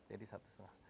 jadi satu setengah